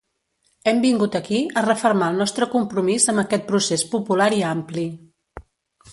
Hem vingut aquí a refermar el nostre compromís amb aquest procés popular i ampli.